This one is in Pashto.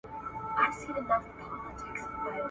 له خونکار پاچا څخه تښته پکار ده.